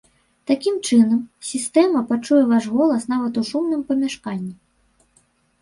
Такім чынам, сістэма пачуе ваш голас нават у шумным памяшканні.